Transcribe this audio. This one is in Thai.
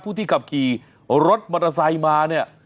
ที่ขับขี่รถมอเตอร์ไซค์มาเนี่ย